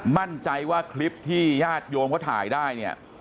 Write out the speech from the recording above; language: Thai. มั่นใจว่าคลิปที่ญาติโยมเขาถ่ายได้เนี่ย